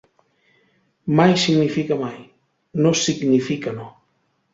Mai significa mai, no significa no.